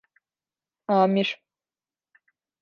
Amir.